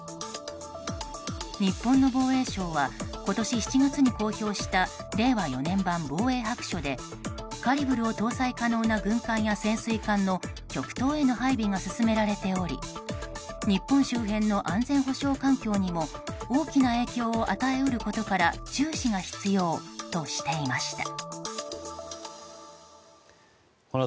日本の防衛省は今年７月に公表した令和４年版防衛白書でカリブルを搭載可能な軍艦や潜水艦の極東への配備が進められており日本周辺の安全保障環境にも大きな影響を与え得ることから注視が必要としていました。